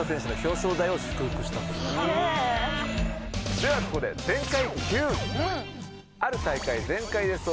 ではここで全開Ｑ。